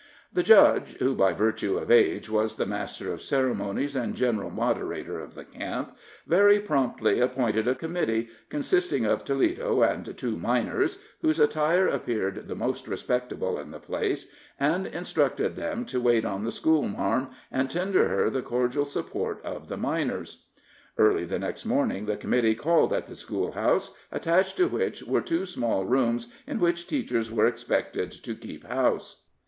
The judge, who, by virtue of age, was the master of ceremonies and general moderator of the camp, very promptly appointed a committee, consisting of Toledo and two miners, whose attire appeared the most respectable in the place, and instructed them to wait on the schoolmarm, and tender her the cordial support of the miners. Early the next morning the committee called at the schoolhouse, attached to which were two small rooms in which teachers were expected to keep house.